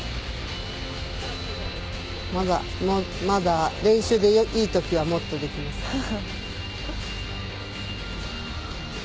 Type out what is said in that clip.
まだ、練習でいいときはもっとできます。